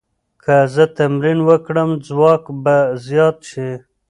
که زه تمرین وکړم، ځواک به زیات شي.